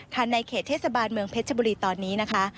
ในเขตเทศบาลเมืองเพชรชบุรีตอนนี้นะคะ